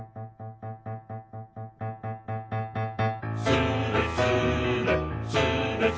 「スレスレスレスレ」